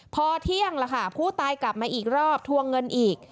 พอเที่ยงแล้วค่ะผู้ตายกลับมาอีกรอบทวงเงินอีก